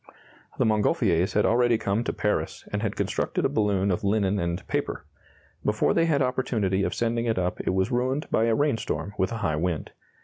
The Montgolfiers had already come to Paris, and had constructed a balloon of linen and paper. Before they had opportunity of sending it up it was ruined by a rainstorm with a high wind.